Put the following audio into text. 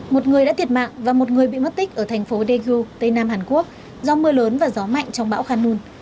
một người đã thiệt mạng và một người bị mất tích ở thành phố daegu tây nam hàn quốc do mưa lớn và gió mạnh trong bão khanun